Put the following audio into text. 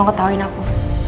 mau ketawain aku